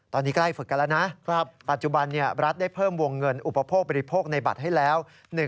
ตอนนี้ใกล้ฝึกกันแล้วนะปัจจุบันรัฐได้เพิ่มวงเงินอุปโภคบริโภคในบัตรให้แล้ว